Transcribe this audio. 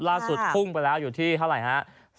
ล่าสุดทุ่งไปแล้วอยู่ที่เท่าไหร่ฮะ